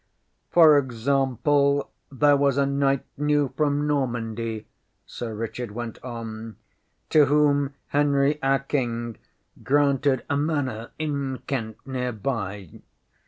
ŌĆśFor example, there was a knight new from Normandy, ŌĆÖ Sir Richard went on, ŌĆśto whom Henry our King granted a manor in Kent near by.